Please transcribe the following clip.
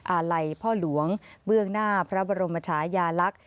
อาลัยพ่อหลวงเบื้องหน้าพระบรมชายาลักษณ์